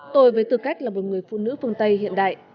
tôi với tư cách là một người phụ nữ phương tây hiện đại